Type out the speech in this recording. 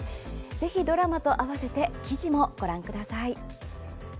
ぜひ、ドラマと合わせて記事もご覧ください。